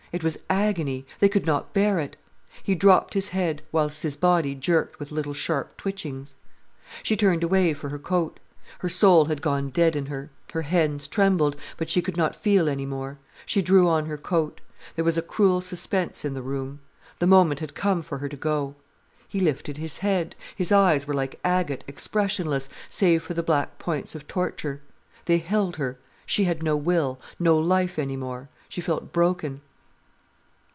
It was agony. They could not bear it. He dropped his head, whilst his body jerked with little sharp twitchings. She turned away for her coat. Her soul had gone dead in her. Her hands trembled, but she could not feel any more. She drew on her coat. There was a cruel suspense in the room. The moment had come for her to go. He lifted his head. His eyes were like agate, expressionless, save for the black points of torture. They held her, she had no will, no life any more. She felt broken.